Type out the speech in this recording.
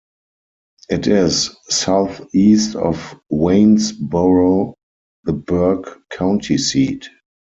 It is southeast of Waynesboro, the Burke County seat.